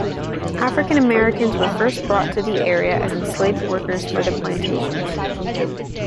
African Americans were first brought to the area as enslaved workers for the plantations.